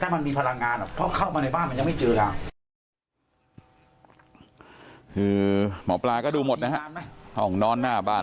บ้านมันยังไม่เจอแล้วหมอปลาก็ดูหมดนะครับห้องนอนหน้าบ้าน